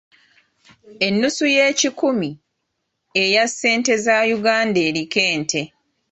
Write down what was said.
Ennusu y'ekikumi eya ssente za Uganda eriko ente.